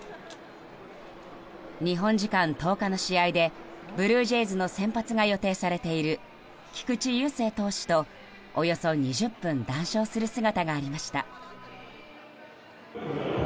日本時間１０日の試合でブルージェイズの先発が予定されている菊池雄星投手とおよそ２０分談笑する姿がありました。